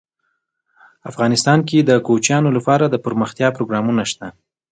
افغانستان کې د کوچیان لپاره دپرمختیا پروګرامونه شته.